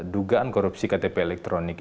dugaan korupsi ktpl